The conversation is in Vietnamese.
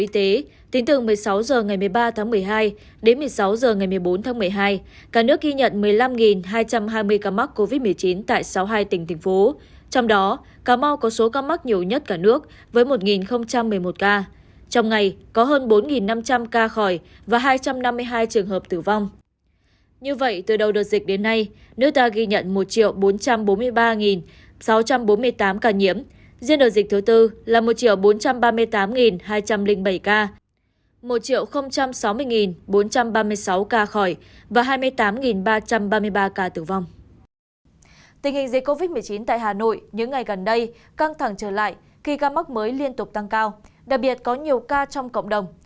tình hình dây covid một mươi chín tại hà nội những ngày gần đây căng thẳng trở lại khi ca mắc mới liên tục tăng cao đặc biệt có nhiều ca trong cộng đồng